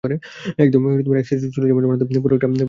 এরকম একসেট ছুড়ি-চামচ বানাতে পুরো একটা হাঙ্গর প্রয়োজন হয়।